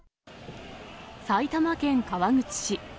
埼玉県川口市。